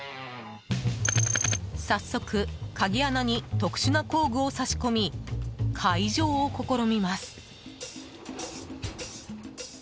早速、鍵穴に特殊な工具を挿し込み、解錠を試みます。